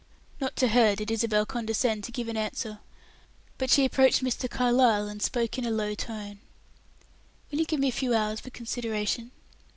Not to her did Isabel condescend to give an answer, but she approached Mr. Carlyle, and spoke in a low tone. "Will you give me a few hours for consideration?"